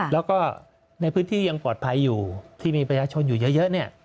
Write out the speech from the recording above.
แล้วก็ในพื้นที่ยังปลอดภัยอยู่ที่มีประชาชนอยู่เยอะเนี่ย